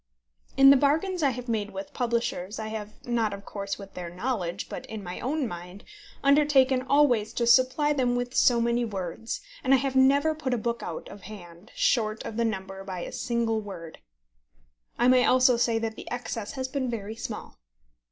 In the bargains I have made with publishers I have, not, of course, with their knowledge, but in my own mind, undertaken always to supply them with so many words, and I have never put a book out of hand short of the number by a single word. I may also say that the excess has been very small.